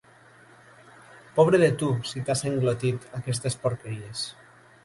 Pobre de tu, si t'has englotit aquestes porqueries.